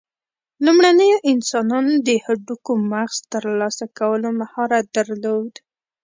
لومړنیو انسانانو د هډوکو مغز ترلاسه کولو مهارت درلود.